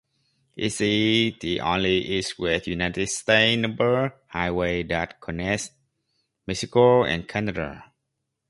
It is the only east-west United States Numbered Highway that connects Mexico and Canada.